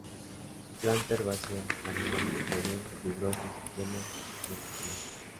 Planta herbácea anual, con un fibroso sistema radicular.